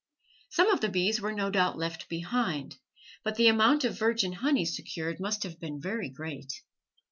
Some of the bees were no doubt left behind, but the amount of virgin honey secured must have been very great.